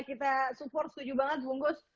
kita support setuju banget bungkus